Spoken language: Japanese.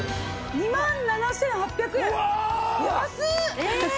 ２万７８００円！